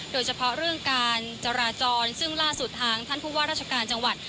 โดยเฉพาะเรื่องการจราจรซึ่งล่าสุดทางท่านผู้ว่าราชการจังหวัด